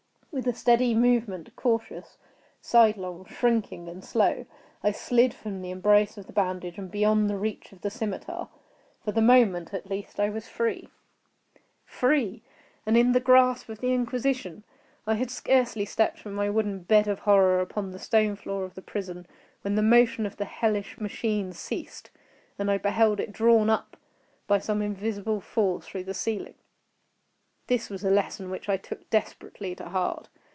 With a steady movement—cautious, sidelong, shrinking, and slow—I slid from the embrace of the bandage and beyond the reach of the scimitar. For the moment, at least, I was free. Free!—and in the grasp of the Inquisition! I had scarcely stepped from my wooden bed of horror upon the stone floor of the prison, when the motion of the hellish machine ceased and I beheld it drawn up, by some invisible force, through the ceiling. This was a lesson which I took desperately to heart.